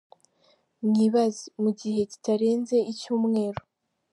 Mwibaze: mu gihe kitarenze icyumweru.